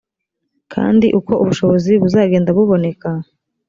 kandi uko ubushobozi buzagenda buboneka